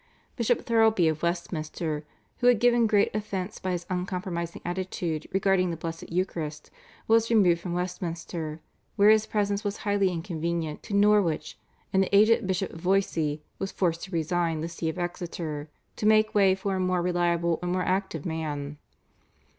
Bishop Thirlby of Westminster, who had given great offence by his uncompromising attitude regarding the Blessed Eucharist, was removed from Westminster, where his presence was highly inconvenient, to Norwich, and the aged Bishop Voysey was forced to resign the See of Exeter to make way for a more reliable and more active man.